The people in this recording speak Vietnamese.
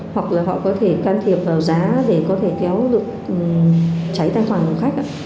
hoặc là họ có thể can thiệp vào giá để có thể kéo được cháy tài khoản của khách ạ